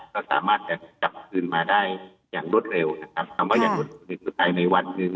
เราสามารถจะจับคืนมาได้อย่างรวดเร็วนะครับทำให้อย่างรวดเร็วสุดท้ายในวันหนึ่ง